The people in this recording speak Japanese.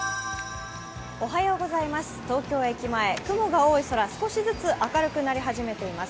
東京駅前、雲が多い空、少しずつ明るくなり始めています。